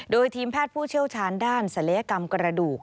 โดยทีมแพทย์ผู้เชี่ยวชาญด้านศัลยกรรมกระดูก